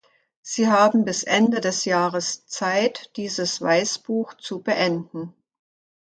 Sie haben bis Ende des Jahres Zeit, dieses Weißbuch zu beenden.